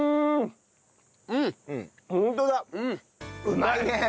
うまいね。